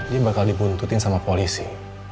dia bakal dibuntutin sama polisi